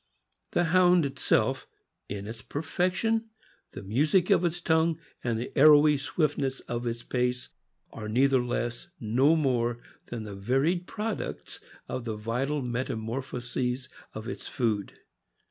The Hound itself, in its perfection, the music of its tongue, and the arrowy swiftness of its pace, are neither less nor more than the varied products of the vital metamorphoses of its food.